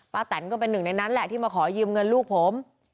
แตนก็เป็นหนึ่งในนั้นแหละที่มาขอยืมเงินลูกผม